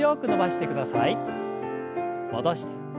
戻して。